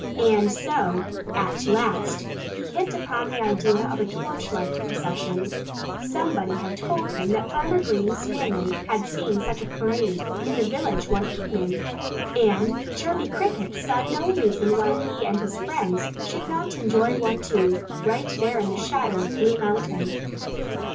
And so, at last, he hit upon the idea of a torchlight procession. Somebody had told him that Farmer Green's family had seen such a parade in the village one evening. And Chirpy Cricket saw no reason why he and his friends should not enjoy one too, right there in the shadow of Blue Mountain.